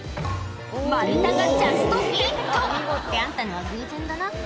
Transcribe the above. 丸太がジャストフィット！ってあんたのは偶然だな